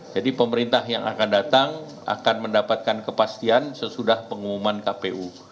jadi pemerintah yang akan datang akan mendapatkan kepastian sesudah pengumuman kpu